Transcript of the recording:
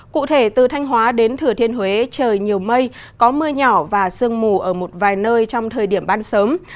cụ thể từ thanh hóa đến thừa thiên huế trời nhiều mây có mưa nhỏ và sương mù ở một vài nơi trong thời điểm ban sớm